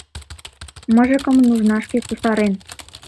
Мыжыкым нужнашке кусарен